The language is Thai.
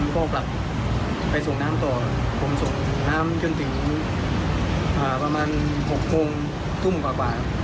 ก็กลับไปส่งน้ำต่อผมส่งน้ำจนถึงประมาณ๖โมงทุ่มกว่า